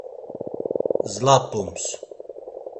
Zlap̌ums.